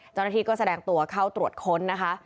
เจ้าหน้าที่ก็แสดงตัวเข้าตรวจค้นนะคะ